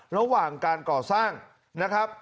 ระหว่างการก่อสร้างนะครับ